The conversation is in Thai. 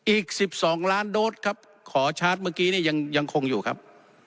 อีก๑๒ล้านโดสครับขอชาร์จเมื่อกี้นี่ยังคงอยู่ครับ